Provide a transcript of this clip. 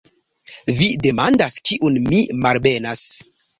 Vi demandas, kiun mi malbenas!